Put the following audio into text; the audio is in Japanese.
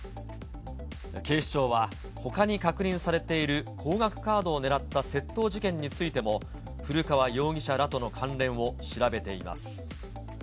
警視庁は、ほかに確認されている高額カードを狙った窃盗事件についても古川容疑者らとの関連を調べています。